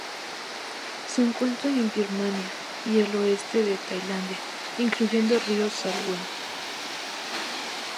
Se encuentra en Birmania y el oeste de Tailandia, incluyendo el río Salween.